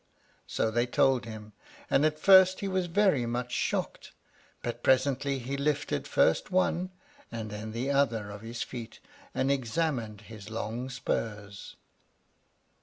So they told him, and at first he was very much shocked; but presently he lifted first one and then the other of his feet, and examined his long spurs.